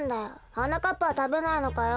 はなかっぱはたべないのかよ。